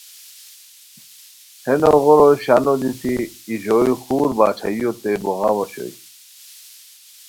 ہے نوغورو شانو دیتی ای ژوئے خور باچھائیوتے بوغاؤ اوشوئے